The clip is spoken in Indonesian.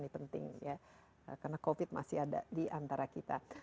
ini penting ya karena covid masih ada di antara kita